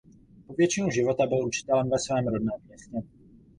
Po většinu života byl učitelem ve svém rodném městě.